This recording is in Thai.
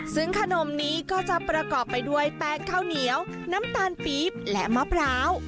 ซึ่งขนมนี้ก็จะประกอบไปด้วยแป้งข้าวเหนียวน้ำตาลปี๊บและมะพร้าว